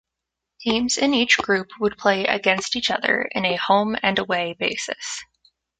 Teams in each group would play against each other in a home-and-away basis.